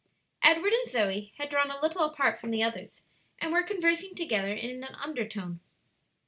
Edward and Zoe had drawn a little apart from the others, and were conversing together in an undertone.